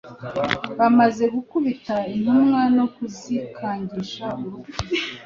Bamaze gukubita intumwa no kuzikangisha urupfu